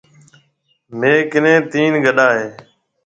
ميه ڪنَي تين گڏا هيَ۔